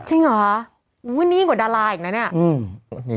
จริงหรอวันนี้กว่าดาราอีกแล้วเนี่ย